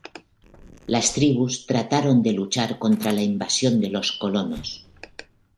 Las tribus trataron de luchar contra la invasión de los colonos.